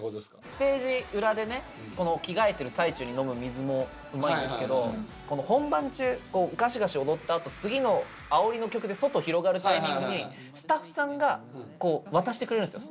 ステージ裏でね着替えてる最中に飲む水もうまいんですけど本番中ガシガシ踊ったあと次のあおりの曲で外広がるタイミングにスタッフさんがこう渡してくれるんですよ